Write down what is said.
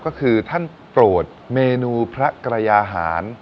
ก็คือท่านโปรดเมนูพระกระยาหาร